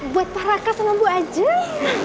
buat pak raka sama bu ajay